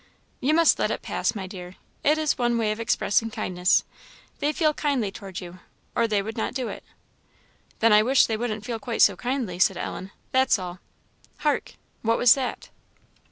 "You must let it pass, my dear; it is one way of expressing kindness. They feel kindly towards you, or they would not do it." "Then I wish they wouldn't feel quite so kindly," said Ellen "that's all. Hark! what was that?"